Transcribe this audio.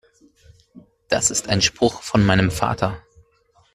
Das ist ein Spruch von meinem Vater.